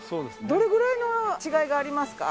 どれぐらいの違いがありますか？